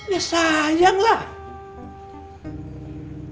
ya sayang lah